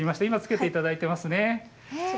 今、着けていただいています。